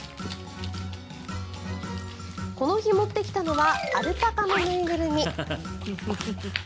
この日、持ってきたのはアルパカの縫いぐるみ。